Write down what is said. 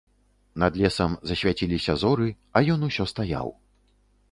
Над лесам засвяціліся зоры, а ён усё стаяў.